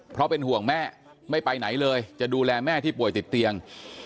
เพราะเป็นห่วงแม่ไม่ไปไหนเลยจะดูแลแม่ที่ป่วยติดเตียง